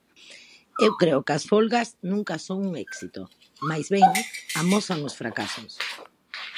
Eu creo que as folgas nunca son un éxito, máis ben amosan os fracasos.